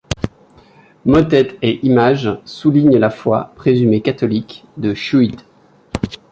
Motet et image soulignent la foi, présumée catholique, de Schuyt.